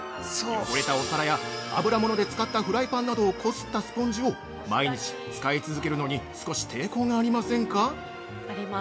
汚れたお皿や油物で使ったフライパンなどをこすったスポンジを毎日、使い続けるのに少し抵抗がありませんか？